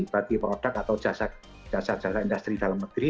bagi produk atau jasa jasa industri dalam negeri